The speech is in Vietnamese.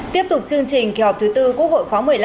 tiếp tục chương trình kỳ họp thứ tư quốc hội khóa một mươi năm